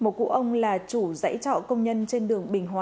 một cụ ông là chủ giải trọ công nhân trên đường bình hòa hai mươi